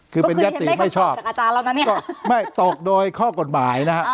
คือเป็นยัตติไม่ชอบจากอาจารย์แล้วนะเนี่ยก็ไม่ตกโดยข้อกฎหมายนะฮะ